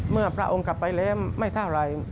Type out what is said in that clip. เมื่อพระองค์กลับไปแบบนี้ไม่เท่าไร